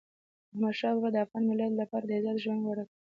احمدشاه بابا د افغان ملت لپاره د عزت ژوند غوره کړ.